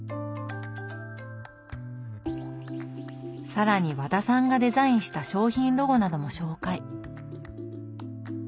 更に和田さんがデザインした商品ロゴなども紹介。